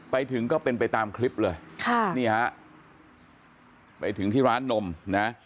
ไปถึงก็เป็นไปตามคลิปเลยค่ะนี่ฮะไปถึงที่ร้านนมนะ